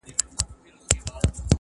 خر هغه ګړی روان سو په ځنګله کي!